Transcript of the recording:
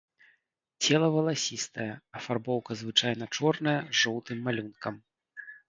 Цела валасістае, афарбоўка звычайна чорная з жоўтым малюнкам.